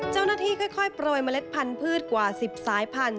เจ้าหน้าที่ค่อยโปรยเมล็ดพันธุ์กว่า๑๐สายพันธุ